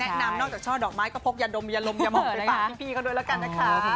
อย่าหมอกไปปากพี่เขาด้วยแล้วกันนะคะ